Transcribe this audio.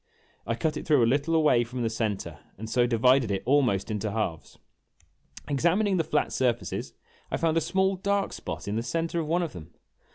I cut it through a little away from the center, and so divided it almost into halves. Examining the flat surfaces, I found a small dark spot in the center of one of them.